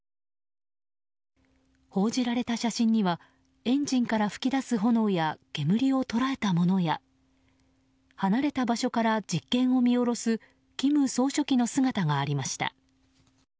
報じられた写真にはエンジンから噴き出す炎や煙を捉えたものや離れた場所から実験を見下ろす金総書記の姿がありました。